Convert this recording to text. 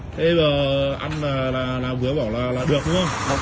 thế bây giờ ăn là nào bữa bảo là được đúng không